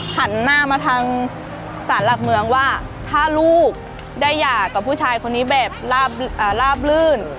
หันหน้ามาทางศาลหลักเมืองว่าถ้าลูกได้หย่ากับผู้ชายคนนี้แบบลาบลื่น